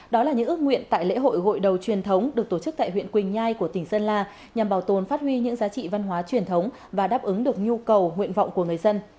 đó là những ước nguyện tại lễ hội gội đầu truyền thống được tổ chức tại huyện quỳnh nhai của tỉnh sơn la nhằm bảo tồn phát huy những giá trị văn hóa truyền thống và đáp ứng được nhu cầu nguyện vọng của người dân